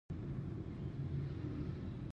پوهان د یوې ټولنې رښتیني لارښوونکي دي.